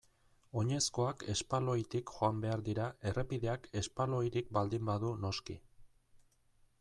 Oinezkoak espaloitik joan behar dira errepideak espaloirik baldin badu noski.